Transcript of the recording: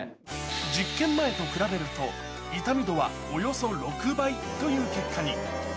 実験前と比べると、痛み度はおよそ６倍という結果に。